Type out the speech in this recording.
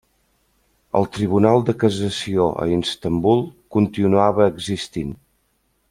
El Tribunal de Cassació a Istanbul continuava existint.